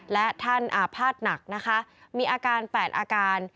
และท่านอาภาษณ์หนักนะคะมีอาการ๘อาการ